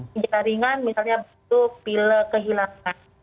bijala ringan misalnya itu pilih kehilangan